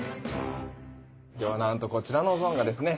ではなんとこちらのゾーンがですね